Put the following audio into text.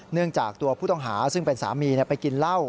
เนื่องจากตัวผู้ต้องหาซึ่งเป็นสามีไปกินเหล้า